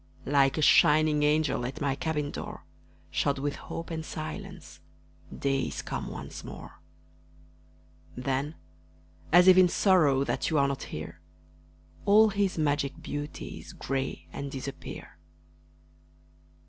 Like a shining angel At my cabin door, Shod with hope and silence, Day is come once more. Then, as if in sorrow That you are not here, All his magic beauties Gray and disappear.